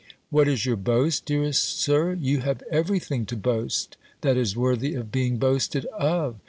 "What is your boast, dearest Sir? You have everything to boast, that is worthy of being boasted of.